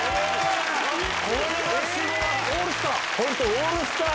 オールスター！